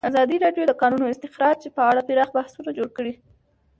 ازادي راډیو د د کانونو استخراج په اړه پراخ بحثونه جوړ کړي.